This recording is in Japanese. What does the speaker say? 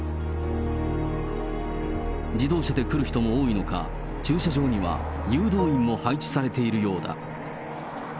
自動車で来る人も多いのか、駐車場には誘導員も配置されているようだ。